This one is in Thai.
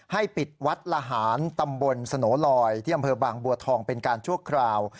ให้ปิดวัสดิ์หลาหารตำบลสโหนลอยบางบุวาทองเป็นการชั่วคราว